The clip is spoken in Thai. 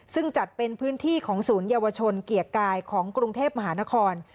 ซึ่งจัดเป็นพื้นที่ของศูนยวชนเกียรติกายของกรุงเทพมหานคร